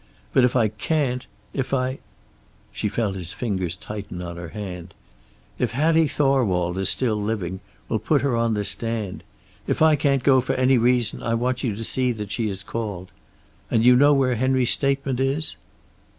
But if I can't, if I " She felt his fingers tighten on her hand. "If Hattie Thorwald is still living, we'll put her on the stand. If I can't go, for any reason, I want you to see that she is called. And you know where Henry's statement is?"